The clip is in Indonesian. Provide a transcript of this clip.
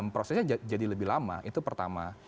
prosesnya jadi lebih lama itu pertama